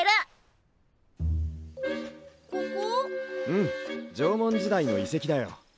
うん縄文時代の遺跡だよ。